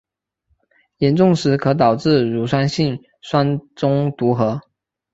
严重时可导致乳酸性酸中毒和。